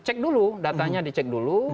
cek dulu datanya dicek dulu